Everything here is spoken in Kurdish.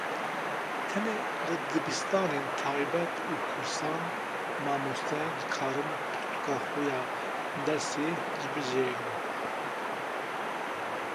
Tenê li dibistanên taybet û kursan mamoste dikarin pirtûka xwe ya dersê hilbijêrin.